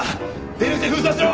出入り口封鎖しろ！